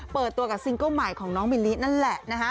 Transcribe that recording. เปิดตัวกับซิงเกิ้ลใหม่ของน้องมิลลินั่นแหละนะฮะ